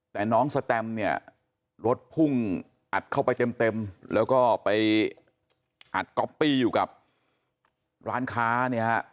แต่น้องสแตมเนี่ยรถพุ่งอัดเข้าไปเต็มแล้วก็ไปอัดก๊อปปี้อยู่กับร้านค้าเนี่ยฮะ